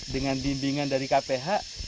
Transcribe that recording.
dengan bimbingan dari kph